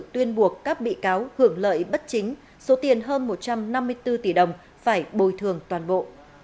tuyên buộc các bị cáo hưởng lợi bất chính số tiền hơn một trăm năm mươi bốn tỷ đồng phải bồi thường toàn bộ